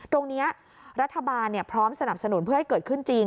ตรงนี้รัฐบาลพร้อมสนับสนุนเพื่อให้เกิดขึ้นจริง